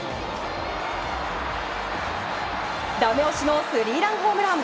だめ押しのスリーランホームラン。